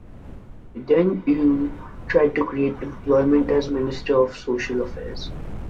Den Uyl tried to create employment as minister of social affairs.